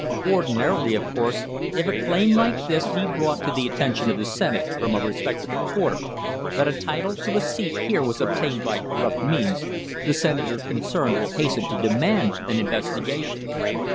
Ordinarily, of course, if a claim like this be brought to the attention of the Senate from a respectable quarter that a title to a seat here was obtained by corrupt means, the Senator concerned will hasten to demand an investigation.